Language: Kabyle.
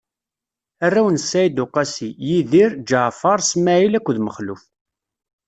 Arraw n Said Uqasi: Yidir, Ǧaɛfaṛ, Smaɛil akked Mexluf.